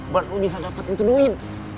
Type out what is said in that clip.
buat lu bisa dapetin duit